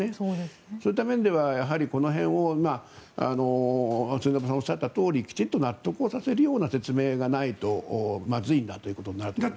そういった面では、この辺りを末延さんがおっしゃったようにきちんと納得をさせるような説明がないとまずいんだということになると思います。